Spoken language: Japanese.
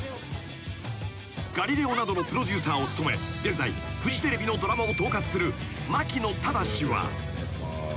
［『ガリレオ』などのプロデューサーを務め現在フジテレビのドラマを統括する］